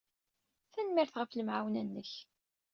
Tanemmirt ɣef lemɛawna-nnek.